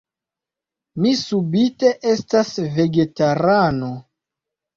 Mi subite estas vegetarano...